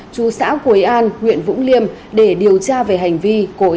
chú xã quế an huyện vũng liêm để điều tra về hành vi